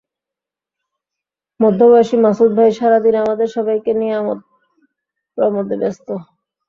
মধ্যবয়সী মাসুদ ভাই সারা দিন আমাদের সবাইকে নিয়ে আমোদ প্রমোদে ব্যস্ত।